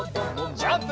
ジャンプ！